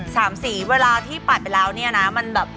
สามสีเวลาที่ปัดไปแล้วเนี่ยนะมันแบบ